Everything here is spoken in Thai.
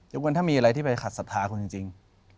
อย่างว่ามีอะไรที่จะขัดศรัทธาของคุณจริง